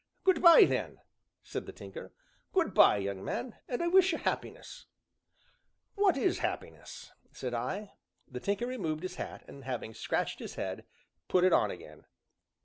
"Good by, then," said the Tinker. "Good by, young man, and I wish you happiness." "What is happiness?" said I. The Tinker removed his hat, and, having scratched his head, put it on again.